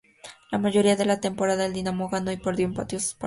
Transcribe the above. La mayoría de la temporada el Dynamo ganó, perdió y empató sus partidos.